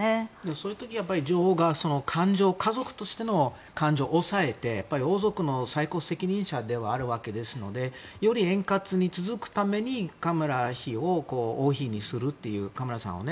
そういう時に女王が家族としての感情を抑えて王族の最高責任者ではあるわけですのでより円滑に続くためにカミラ夫人を王妃にするという。